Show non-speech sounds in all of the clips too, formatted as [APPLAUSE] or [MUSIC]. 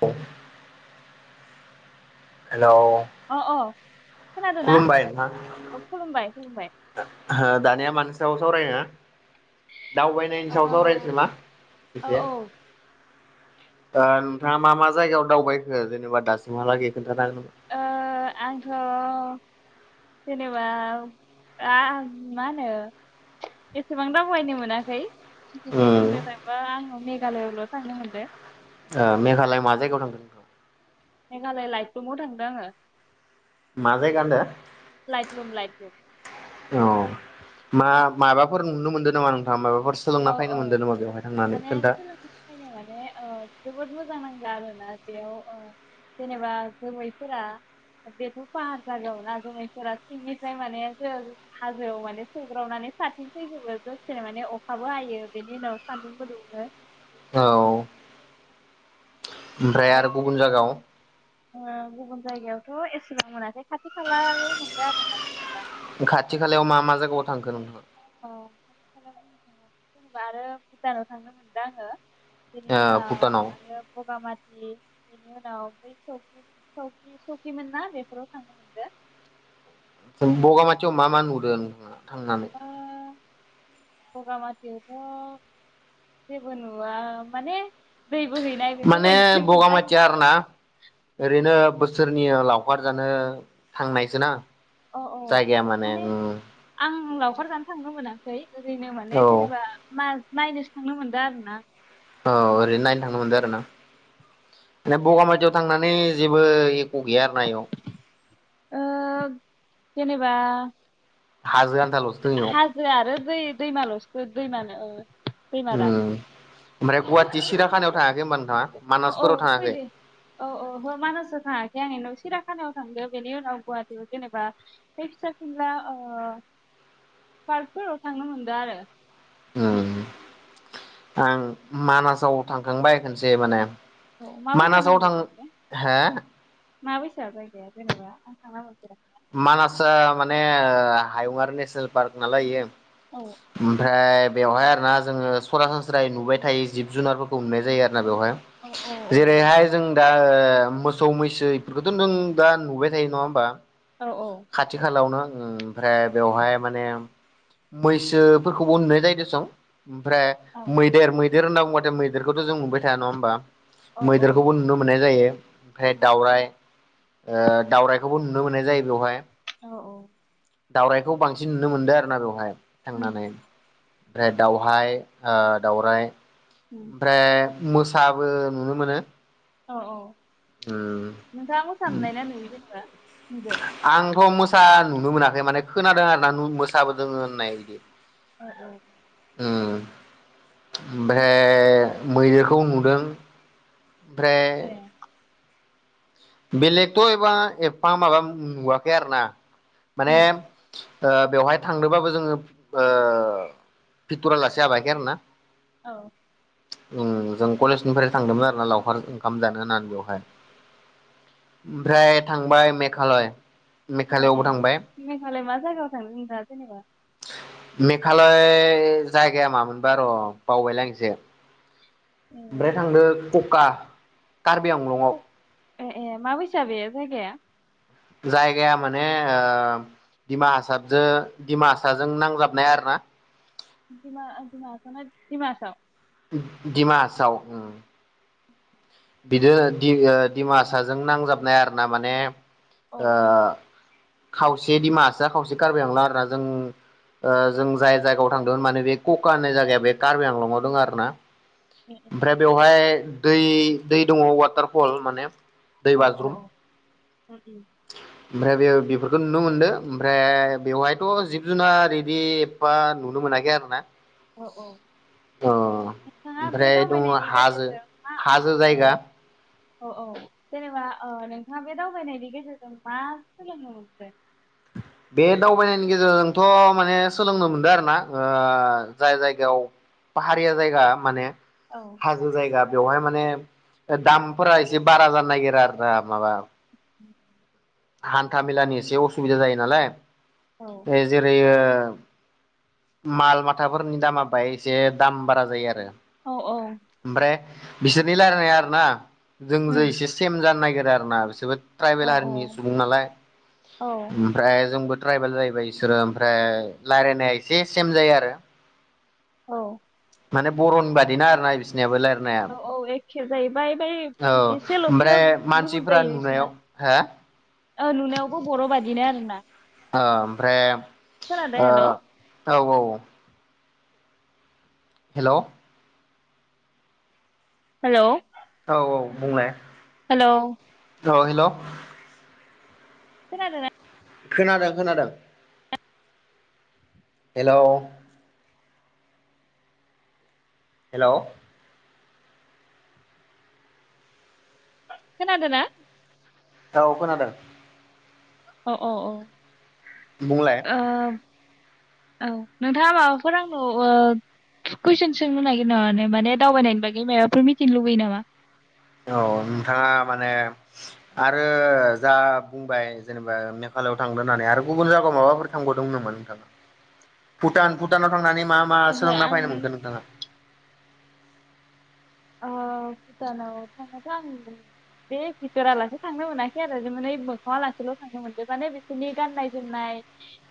औ [UNINTELLIGIBLE] हेलौ अ खोनादोंना खुलुमबाय नोंथां औ खुलुमबाय खुलुमबाय ओ ओ दानिया मानि साया सायाव सावरायनो दावबायनायनि ओ सायाव सावरायनसै नामा औ एसे ओ ओ नोंथाङा मा मा जायगायाव दावबायखो जेनेबा दासिमहालागै खो ओ आंथ जेनेबा आं मा होनो एसेबां दावबायनो मोनाखै गुबैयै हागोन बुंनो थांबा आंनाव गालायावल थांनो मोनदो ओ मेघालय मा जायगायाव थांदो मेघालय लाइटलुमाव थांदों आङो मा जायगा होनदों लाइटलुम लाइटलुम औ मा माबाफोर नुनो मोनदों नामा नोंथाङा मा औ औ माने सोंलों नायनो माने जोबोद मोजां मोजां नांदो आरोना बेयाव ओ जेनेबा जोमैफोरा बेथ फाहार जागायाव ना जोमैफोरा सिंनिफ्राय माने जों हाजोआव माने सोग्रावनानै साथिं फैजोबो जसेनो माने अ अखाबो हायो बेनि उनाव सान्दुंबो दुङो औ ओमफ्राय आरो गुबुन जायगायाव ओ गुबुन जायगायावथ एसेबां मोनाखै खाथि खालायाव मोनदो आरोना जेनेबा खाथि खालायाव मा मा जायगायाव थांखो नोंथाङा [UNINTELLIGIBLE] भुटानाव थांनो मोनदों आङो बिनि उनाव भुटानाव आरो बगामाति बे-बेनि उनाव बे सकि-सकि-सकिमोन ना बेफोराव थांनो मोनदो बगामातिआव मा मा नुदों नोंथाङा थांनानै ओ बगामाथियावथ जेबो नुवा माने दै बोहैनाय माने बेफोरबायदिखौ नुदों बगामाथिया आरो ना ओरैनो बोसोरनि लावखार जानो थांनायसो ना औ औ जायगाया माने ओ खार जानो थांनो मोनाखै ओरैनो माने जेनेबा औ मा नायनोसो थांनो मोनदो आरो ना औ ओरैनो नायनो थांनो मोनदों आरो ना ना बगामथियाव थांनानै जेबो एख गैया आरो ना एआव ओ जेनेबा हाजो आन थालसो दों इयाव हाजो आरो दै दैमालसो दैमा नो ओ फैमारा उम ओमफ्राय गुवाहाटि सिराखानाव थाङाखै होनोमबा नोंथाङा औ मानासफोराव औ थाङाखै फैदो औ औ मानासाव [UNINTELLIGIBLE] सिराखानायाव थांदो बेनि उनाव गुवाहाटीयाव जेनेबा बे फिसा फिनला ओ पार्कफोराव थांनो मोनदो आरो ओम आं मानासाव थांखांबाय खनसे माने औ माबैसा मानासाव थां हे मा बायसा जायगाया जेनेबा आं थांना मोनफेराखै मानासआ माने हायुङारि नेसनेल पार्क नालाय इयो औ ओमफ्राय बेवहाय आरोना जोङो सरासनस्रायै नुबायथायै जिब जुनारफोरखौ नुनाय जायो आरो जोंना औ औ बेवहाय जेरैहाय जों दा ओ मोसौ मैसो बेफोरखौथ नों दा नुबाय थायो नङा होमबा औ खाथि खालायावनो आं उम ओमफ्राय बेवहाय माने मैसोफोरखौबो नुनाय जायो दसं ओमफ्राय औ मैदेर मैदेर होनना बुंबाथाय मै मैदेरखौथ जों नुबाय थाया नङा होनबा औ मैदेरखौबो नुनो मोननाय जायो आमफ्राय दावराय ओ दावरायखौबो नुनो मोननाय जायो बेवहाय औ औ दावरायखौ बांसिन नुनो मोनदो आरो ना बेवहाय उम थांनानै फ्राय दावहाय ओ दाउराय उम ओमफ्राय मोसाबो नुनो मोनो औ औ उम नोंथाङा मोसा नुनाय ना नुयै जेनेबा नुदो आंथ' मोसा नुनो मोनाखै माने खोनादों आरोना उम मोसाबो दोङो होननाय बिदि औ औ ओम ओमफ्राय मैदेरखौ नुदों ओमफ्राय ए बेलेगथ एबा एबफा माबा नुवाखै आरोना माने उम ओ बेवहाय थांदोबाबो जोङो ओ भिथरालासि हाबाखै आरो ना औ ओम जों कलेजनिफ्राय थांदोंमोन आरो ना लावखार ओख खामजानो होननानै बेवहाय ओमफ्राय थांबाय मेघालय ए ए मेघालयआवबो थांबाय मेघालय मा जायगायाव थांदों नोंथाङा जेनेबा मेघालय जायगाया मामोनबा र बावबायलां एसे ओमफ्राय थांदो कका कार्बि ए आंलंआव ए ए माबैसा बे जायगाया जायगाया माने ओ दिमाहासाबजो दिमाहासाजो नांजाबनाय आरो ना दिमा-दिमाहासाना दिमाहासाव दिमाहासाव ओम बिदिनो दि ओ दिमासाजों नांजाबनाय आरो ना माने औ ओ खावसे दिमाहासा खावसे कार्बि आंलं आर ना जों ओ जों जाय जायगायाव थांदोंमोन माने बे कका होननाय जायगाया बे कार्बि आंलंआव दङो आरो ना ए ए ओमफ्राय बेवहाय दै दै दङ वाटारफल माने दै अ अ बाज्रुम अ उ उम ओमफ्राय बेयो बेफोरखौ नुनो मोनदो ओमफ्राय बेवहायथ जिब जुनार इदि एफफा नुनो मोनाखै आरो ना औ औ नोंथाङा बे ओमफ्राय दङ दावबायनायनि हाजो गेजेरजों मा हाजो औ जायगा औ औ जेनेबा ओ नोंथाङा बे दावबायनायनि गेजेरजों मा सोलोंनो मोनखो बे दावबायनायनि गेजेरजोंथ माने सोलोंनो मोनदो आरो ना ओ जाय जायगायाव पाहारिया जायगा माने औ हाजो जायगा बेवहाय माने ओ दामफोरा एसे बारा जानो नागिरो आरो ना माबा [INAUDIBLE] हान्था मेलानि एसे असुबिदा जायो नालाय औ ए जेरै ओ माल माथाफोरनि दामा बाहाय एसे दाम बारा जायो आरो औ औ ओमफ्राय बिसोरनि लायरायनाया आरो ना जोंजो उम एसे सेम जानो नायगेर आरोना बिसोबो औ ट्राइबेल हारिनि सु सुबुं नालाय औ ओमफ्राय जोंबो ट्राइबेल जाहैबाय इसोरो ओमफ्राय रायलायनाया एसे सेम जायो आरो औ माने बर'नि बादिना आर ना बिसिनियाबो रायलायनाय औ औ एखे जाहैबाय बै औ एसेलसो ओमफ्राय गुबुन मानसिफोरा जायो नुनायाव बिसना हो ओ नुनायावबो बर बादिनो आरो ना औ ओमफ्राय ओ हेल' औ औ हेल हेल औ औ बुंनाय हेलौ औ हेल खोनादोंना खोनादों खोनादों हेल हेल खोनादोंना औ खोनादों अ अ औ ओ बुंलाय औ नोंथाङा माबाफोर आंनाव ओ कुइसन सोंनो नागिर नामा माने दावबायनायनि बागै माबाफोर मिथिनो लुगैयो नामा औ नोंथाङा माने आरो जा बुंबाय जेनेबा मेघालयाव थांदो होननानै आरो गुबुन जायगायाव माबाफोर थांबावदोंमोन नामा नोंथाङा भुटान भुटानाव थांनानै मा मा ओहो सोलोंना आं फायनो मोनगोन नोंथाङा अ भुटानाव थांनाथ आं बे भिथरालासे थांनो मोनाखै आरो जे माने मोखांआ लासेल थांनो मोनद माने बिसोरनि गाननाय जोमनाय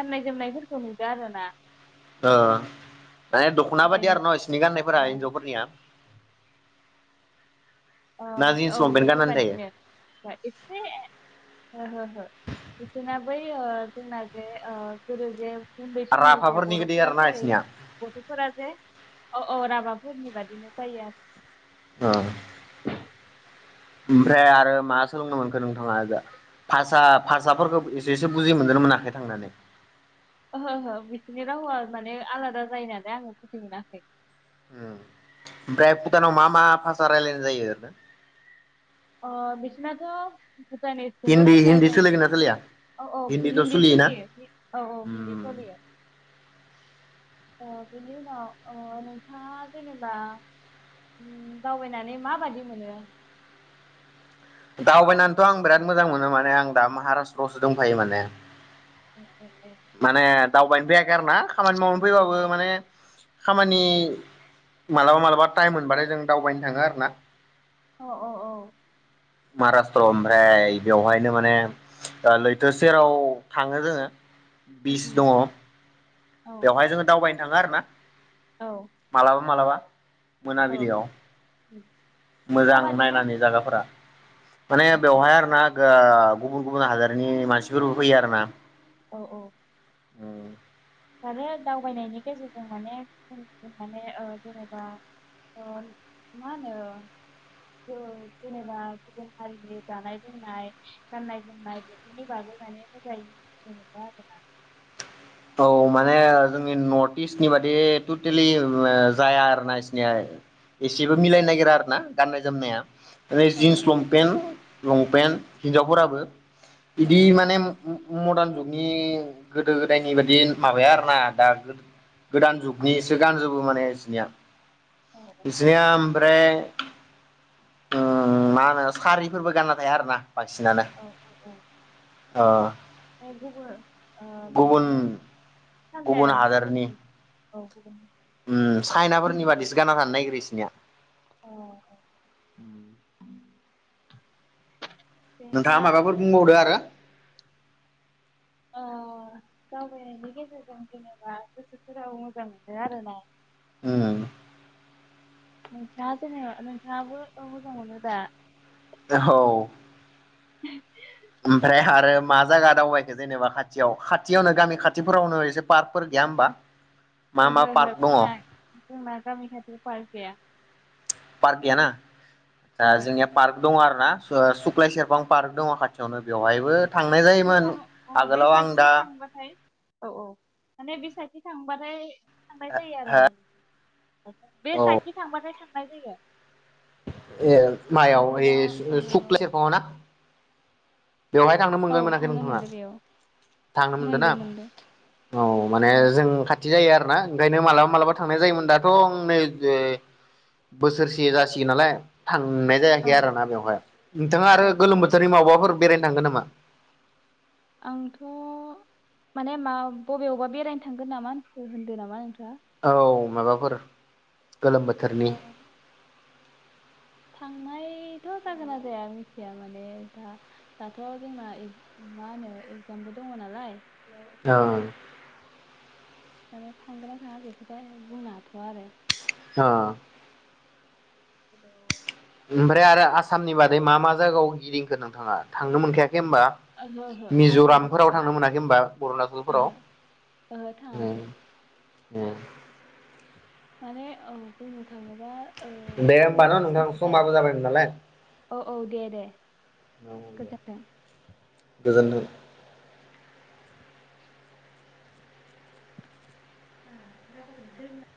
गाननाय जोमनायफोरखौ नुदो आरो ना ओ माने दखना बायदि आरो न बेनिफ्राय इसोरनि गाननायफोरा ओ हिनजावफोरनिया ना ओं जिन्स औ लंपेन्ट गाननानै थायो बेफोरबादिनो एतसे ओहो ओहो बिसोरना बै ओ जोंंना जे ओ गोदो जे उन्दै समाव जे राफाफोरनि गोदै बरफोरा आरोना जेरै बिसोरनिया गथफोरा जे अ राभाफोरनि बादिनो जायो आरो ओ ओमफ्राय आरो मा सोलोंनो मोनखो नोंथाङा इजा भासा भासाफोरखौ एसेसो बुजि मोनदोंना मोनाखै थांनानै ओहो ओहो बिसोरनि रावआ माने आलादा जायो नालाय आङो बुजि मोनाखै ओम ओमफ्राय भुटानाव मा मा भाषा रायलायनाय जायो ओरैनो अ बिसनाथ भुटानिसखौनो हिन्दी रायलायनाय हिन्दी जायोमोन सोलिगोन ना दा सोलिया औ औ हिन्दीथ' हिन्दी सोलियोना सोलियो औ औ हिन्दी उम सलियो अ बेनि उनाव अ नोंथाङा जेनेबा उम दावबायनानै माबादि मोनो दावबायनानैथ आं बिराद मोजां मोनो माने आं दा महाराष्ट्रआवसो दंफायो माने [UNINTELLIGIBLE] माने दावबायनो फैयाखै आरो ना खामानि मावनो फैबाबो माने खामानि मालाबा मालाबा टाइम मोनबाथाय जों दावबायनो थाङो आरो ना अ अ औ महाराष्ट्र ओमफ्राय बेवहायनो माने ओ लैथो सेराव थाङो जोङो उम बिस उम दङ औ बेवहाय जोङो दावबाय [UNINTELLIGIBLE] आरो ना औ मालाबा मालाबा औ मोनाबिलियाव उम मोजां माबादि नायनानै नाङो जागाफोरा माने औ औ बेवहाय आरोना ओ गुबुन गुबुन हादोरनि मानसिफोरबो फैयो आरो ना औ औ ओम आरो दावबायनायनि गेजेरजों माने गुबुन गुबुन माने ओ जेनेबा ओ मा होनो जेनेबा गुबुन हारिनि जानाय लोंनाय गाननाय जोमनाय बेफोरनि बागै माने मोजाङैनो मिथिनो मोनो आरोना औ माने जोंनि नर्थ इस्टनि बादि टटेलि ओ जाया आरोना इसिनिया एसेबो मिलायनो नागिरा आरो ना गाननाय जोमनाया [UNINTELLIGIBLE] औ जिन्स औ लमपेन लंपेन हिनजावफोराबो बिदि माने [UNINTELLIGIBLE] मदार्न जुगनि गोदो गोदायनि बायदि माबाया आरोना दा गो-गोदान जुगनिसो गानजोबो माने इसिनिया औ बिसिनिया ओमफ्राय ओ मा होनो सारिफोरबो गानना थाया आरो ना औ औ औ [UNINTELLIGIBLE] गुबन सानजायारिनि [UNINTELLIGIBLE] औ गुबुन चाइनाफोरनि बादिसो गानना थानो नागिरो इसिनिया अ अ नोंथाङा बेनिफ्राय ओ माबाफोर बुंबावदो आरो ओ दावबायनायनि गेजेरजों जेनेबा गोसोफोराबो मोजां मोनो आरोना ओम नोंथाङा जेनेबा नोंथाङाबो ओ मोजां मोनो दा औ [UNINTELLIGIBLE] ओमफ्राय आरो मा जायगा दावबायखो जेनेबा खाथियाव खाथियावनो गामि खाथिफोरावनो एसे पार्कफोर गैया होमबा मा ओहो मा ओहो पार्क दङ जोंना जोंना गामि खाथियाव पार्क गैया पार्क गैया ना ओ ओहो जोंनिया पार्क दङ आरो ना ओ सुख्लाय सेरफां पार्क दङ खाथियावनो बेवहायबो थांनाय मोखां जायोमोन अ बे आगोलाव आं साइडखि दा थांबाथाय औ औ माने बे साइदथि थांबाथाय थांनाय जायो आरोना बे साइदथि थांबाथाय थां नाय जायो ए मायाव ओमफ्राय ओइ दा ओ सुख्लाय सेरफाङाव ना बेवहाय थांनो मोनगोन ना औ मोनाखै थांनो नोंथाङा मोनदो बेयाव थांनो मोनदों ना मोनदो मोनदो औ माने औ जों खाथि जायो आरो ना ओंखायनो मालाबा मालाबा थांनाय जायोमोन दाथ ओ नै ए बोसोरसे जासिगोन नालाय थांनाय जायाखै औ आरोना बेवहाय नोंथाङा आरो औ गोलोम औ बोथोरनि मावबाफोर बेरायनो थांगोन नामा आंथ माने मा बबेयावबा बेरायनो थांगोन नामा आ होनदो नामा नोंथाङा औ माबाफोर गोलोम बोथोरनि ओ थांनायथ जागोन ना जाया मिथिया माने दा दाथ जोंना एग मा होनो एगजामबो दङ नालाय ओं माने थांगोन ना थाङा बेखौथाय बुंनो हाथआ आरो अ हेलौ ओमफ्राय आरो आसामनि बादै मा मा जायगायाव गिदिंखो नोंथाङा थांनो मोनखायाखै होनबा ओहो ओहो आसामनि मिजरामफोराव थांनो फारसे मोनाखै होनबा अरुणचलफोराव ओहो ओहो ओम थाङाखै उम माने औ बुंनो थाङोबा ओ दे होमबा समबो ना मोना नोंथां नालाय समाबो जाबायमोन नालाय औ औ दे दे अ दे गोजोन्थों। गोजोनथों आ खाराबाथाय बिदि जायो ना